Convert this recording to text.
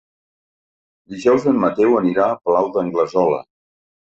Dijous en Mateu anirà al Palau d'Anglesola.